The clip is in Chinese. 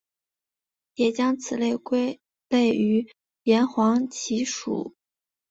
也将此类归类于岩黄蓍属。